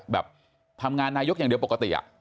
แบบทำงานนายกอย่างเดียวปกติ